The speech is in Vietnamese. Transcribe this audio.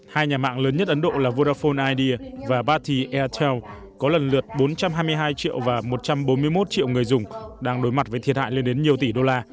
hai nhà mạng lớn nhất ấn độ là vodafone idea và bati airtel có lần lượt bốn trăm hai mươi hai triệu và một trăm bốn mươi một triệu người dùng đang đối mặt với thiệt hại lên đến nhiều tỷ đô la